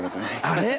あれ？